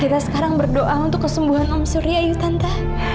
kita sekarang berdoa untuk kesembuhan om surya yuk tante